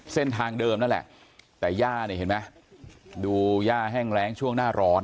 เส้นทางเดิมนั่นแหละแต่ย่าเนี่ยเห็นไหมดูย่าแห้งแรงช่วงหน้าร้อน